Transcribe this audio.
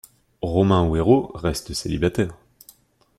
Romain Werro reste célibataire.